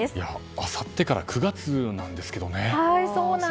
あさってから９月なんですけどね。